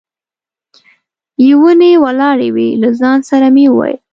یې ونې ولاړې وې، له ځان سره مې وویل.